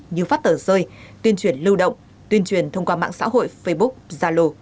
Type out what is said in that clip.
như phát tờ rơi tuyên truyền lưu động tuyên truyền thông qua mạng xã hội facebook zalo